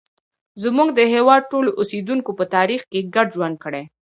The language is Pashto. زموږ د هېواد ټولو اوسیدونکو په تاریخ کې ګډ ژوند کړی.